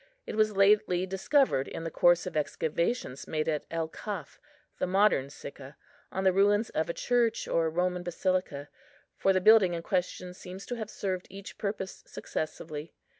It was lately discovered in the course of excavations made at El Kaf, the modern Sicca, on the ruins of a church or Roman basilica, for the building in question seems to have served each purpose successively.